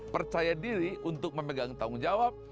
percaya diri untuk memegang tanggung jawab